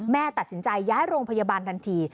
แม่ตัดสินใจย้ายโรงพยาบาลทันที